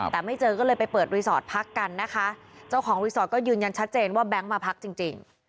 แต่ไม่เจอก็เลยไปเปิดรีสอร์ทพักกันนะคะเจ้าของรีสอร์ทก็ยืนยันชัดเจนว่าแบงค์มาพักจริงจริง